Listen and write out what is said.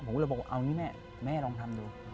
ผมก็เลยบอกว่าเอางี้แม่แม่ลองทำดู